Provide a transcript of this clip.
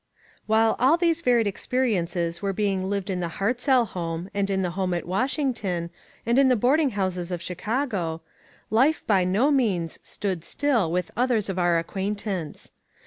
WHILE all these varied experiences were being lived in the Hartzell home, and in the home at Washington, and in the boarding houses of Chicago, life by no means stood still with others of our acquaintance.